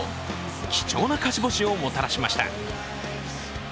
貴重な勝ち星をもたらしました。